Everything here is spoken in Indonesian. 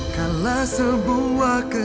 siapa yang mau jaga